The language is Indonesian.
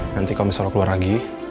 nanti kalau misalnya keluar lagi